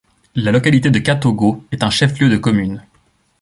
La localité de Katogo est un chef-lieu de commune.